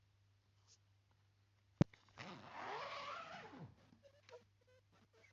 极限学习机的名称来自新加坡南洋理工大学黄广斌教授所建立的模型。